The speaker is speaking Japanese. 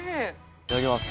いただきます。